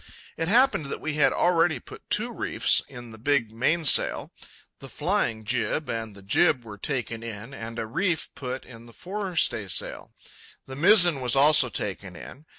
It happened that we had already put two reefs in the big mainsail. The flying jib and the jib were taken in, and a reef put in the fore staysail. The mizzen was also taken in.